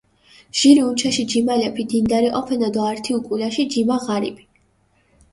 ჟირი უნჩაში ჯიმალეფი დინდარი ჸოფენა დო ართი უკულაში ჯიმა ღარიბი.